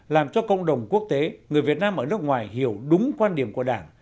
làm cho cộng đồng quốc tế người việt nam ở nước ngoài hiểu đúng quan điểm của đảng